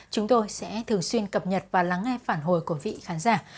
chúng tôi sẽ thường xuyên cập nhật và lắng nghe phản hồi của vị khán giả